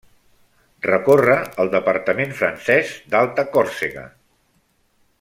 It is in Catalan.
Recorre el departament francès d'Alta Còrsega.